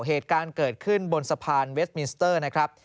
เหตุการณ์เกิดขึ้นบนสะพานเวสมินสเตอร์นะครับ